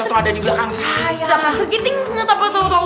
udah pak sri kiti ngata apa ngerasa